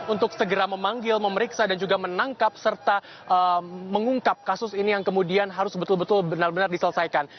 untuk segera memanggil memeriksa dan juga menangkap serta mengungkap kasus ini yang kemudian harus betul betul benar benar diselesaikan